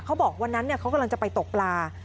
บอกวันนั้นเขากำลังจะไปตกปลา